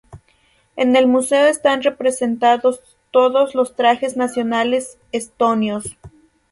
En el museo están representados todos los trajes nacionales estonios.